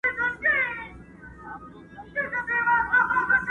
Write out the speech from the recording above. پوليس کور ته راځي ناڅاپه